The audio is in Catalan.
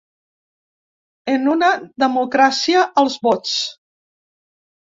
En una democràcia, els vots.